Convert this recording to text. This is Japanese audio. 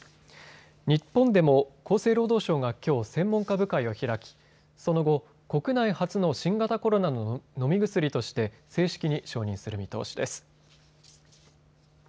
日本でも厚生労働省がきょう専門家部会を開き、その後、国内初の新型コロナの飲み薬として正式に承認する見通しです。